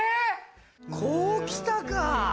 こう来たか！